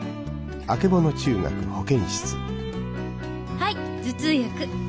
はい頭痛薬。